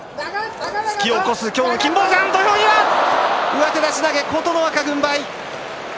上手出し投げ琴ノ若、軍配。